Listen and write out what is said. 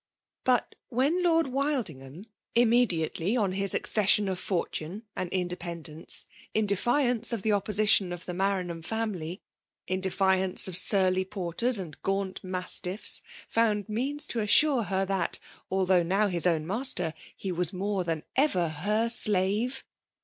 But when Lord Wildingham, immediately on his accession of fortune and independence^ in defiance of the opposition of the Maraii ham*s family, — in defiance of surly porters and gaunt mastiffs, found means to assure her that, although now his own master, he was more than ever her slave.